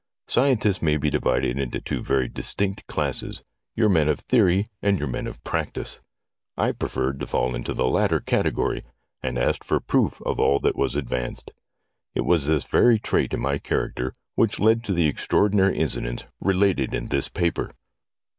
Scientists may be divided into two very distinct classes, your men of theory and your men of practice. I preferred to fall into the latter category, and asked for proof of all that was advanced. It was this very trait in my character which led to the extraordinary in cidents related in this paper.